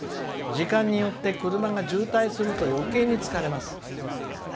時間によっては車が渋滞するとよけいに疲れます。